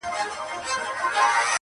o انسانيت له ازموينې تېريږي سخت,